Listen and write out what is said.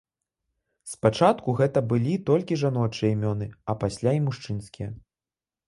Спачатку гэта былі толькі жаночыя імёны, а пасля і мужчынскія.